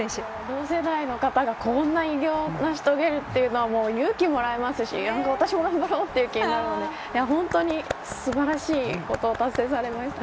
同世代方がこんな偉業を成し遂げるというのは勇気をもらいますし私も頑張ろうという気になるので本当に素晴らしいことを達成されました。